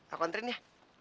aku anterin ya